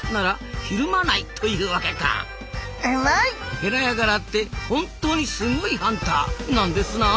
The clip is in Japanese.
ヘラヤガラって本当にスゴいハンターなんですなあ。